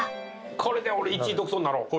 これで俺１位独走になろう！